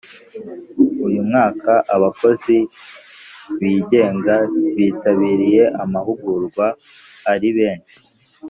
Uyu umwaka abakozi bingenga bitabiriye amahugurwa ari benshi